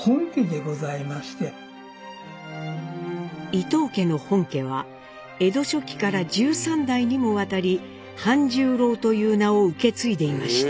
伊藤家の本家は江戸初期から１３代にもわたり半十郎という名を受け継いでいました。